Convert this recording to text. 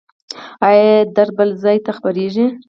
ایا درد بل ځای ته خپریږي؟